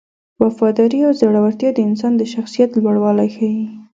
وفاداري او زړورتیا د انسان د شخصیت لوړوالی ښيي.